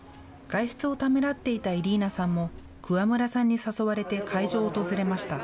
外出をためらっていたイリーナさんも、桑村さんに誘われて会場を訪れました。